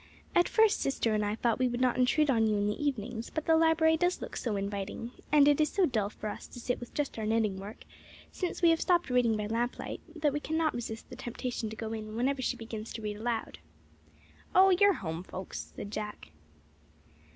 "At first sister and I thought we would not intrude on you in the evenings; but the library does look so inviting, and it is so dull for us to sit with just our knitting work, since we have stopped reading by lamp light, that we can not resist the temptation to go in whenever she begins to read aloud." "O, you're home folks," said Jack.